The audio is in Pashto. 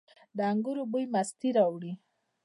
د انګورو بوی مستي راوړي.